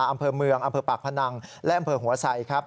อำเภอเมืองอำเภอปากพนังและอำเภอหัวไสครับ